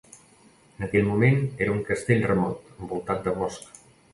En aquell moment era un "castell" remot, envoltat de bosc.